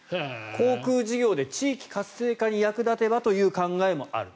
航空事業で地域活性化に役立てばという考えもある。